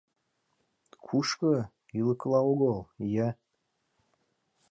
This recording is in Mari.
Кӱшкӧ, ӱлыкыла огыл, ия!